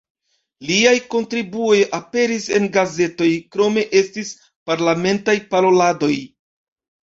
Liaj kontribuoj aperis en gazetoj, krome estis parlamentaj paroladoj.